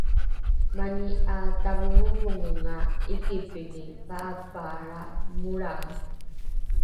mani ’aatavongovongonga ’ikipingi pa’apaalra molrae